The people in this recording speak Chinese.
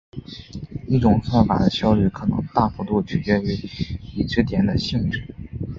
一种算法的效率可能大幅度取决于已知点的性质。